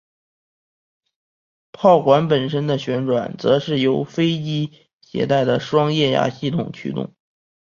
炮管本身的旋转则是由飞机携带的双液压系统驱动。